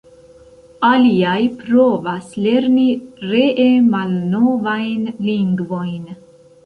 Aliaj provas lerni (ree) malnovajn lingvojn.